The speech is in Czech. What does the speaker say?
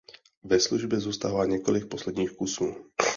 Ve službě zůstává několik posledních kusů.